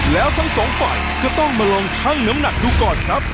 แล้วทั้งสองฝ่ายก็ต้องมาลองชั่งน้ำหนักดูก่อนครับ